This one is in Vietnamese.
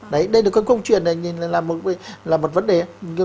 đấy đây là cái câu chuyện này là một vấn đề